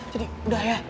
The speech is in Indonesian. jadi udah ya